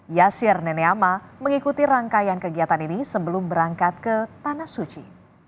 yasir nenekma mengikuti rangkaian kegiatan ini sebelum berangkat ke tanah suci